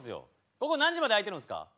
ここ何時まで開いてるんすか？